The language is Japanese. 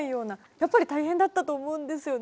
やっぱり大変だったと思うんですよね。